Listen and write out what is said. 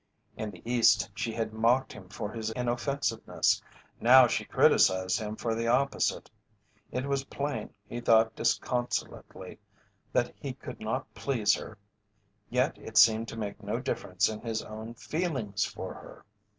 In the East she had mocked him for his inoffensiveness, now she criticized him for the opposite. It was plain, he thought disconsolately, that he could not please her, yet it seemed to make no difference in his own feelings for her.